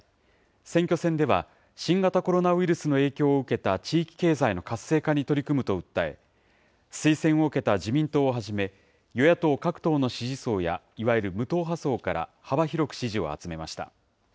選挙戦では、新型コロナウイルスの影響を受けた地域経済の活性化に取り組むと訴え、推薦を受けた自民党をはじめ、与野党各党の支持層や、いわゆる無党派層から幅広く支持を集めました。